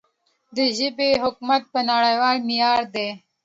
د ژبې خدمت په نړیوال معیار دی.